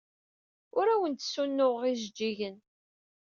Ur awen-d-ssunuɣeɣ ijejjigen.